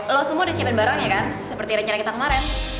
lo semua udah siapin barangnya kan seperti rencana kita kemarin